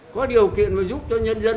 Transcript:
có điều kiện mà giúp cho nhân dân